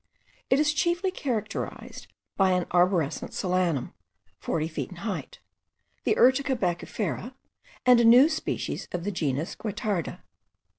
It is chiefly characterized by an arborescent solanum, forty feet in height, the Urtica baccifera, and a new species of the genus Guettarda.